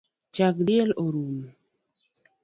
Chag diel orumo